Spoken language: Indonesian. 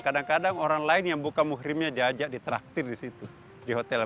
kadang kadang orang lain yang buka muhrimnya diajak di traktir di lantai di tempat lain